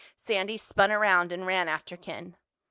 Sandy spun around and ran after Ken.